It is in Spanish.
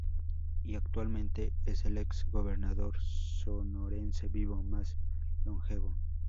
Y actualmente es el ex-gobernador sonorense vivo, más longevo.